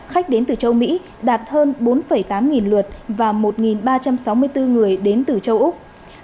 khách đến từ châu mỹ đạt hơn bốn tám nghìn lượt và một ba trăm sáu mươi bốn người đến từ châu úc